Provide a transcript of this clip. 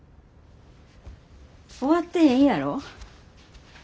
終わってへんやろ。